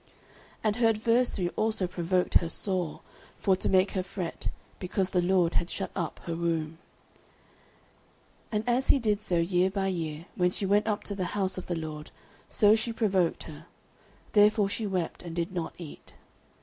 09:001:006 And her adversary also provoked her sore, for to make her fret, because the LORD had shut up her womb. 09:001:007 And as he did so year by year, when she went up to the house of the LORD, so she provoked her; therefore she wept, and did not eat.